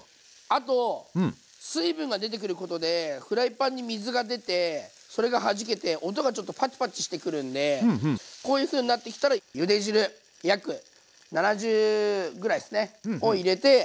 あと水分が出てくることでフライパンに水が出てそれがはじけて音がちょっとパチパチしてくるんでこういうふうになってきたらゆで汁約７０ぐらいですねを入れて。